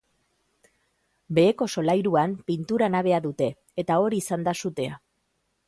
Beheko solairuan pintura nabea dute, eta hor izan da sutea.